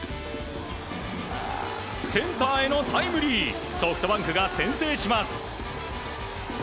センターへのタイムリーソフトバンクが先制します。